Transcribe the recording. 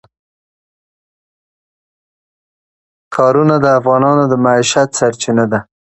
ښارونه د افغانانو د معیشت سرچینه ده.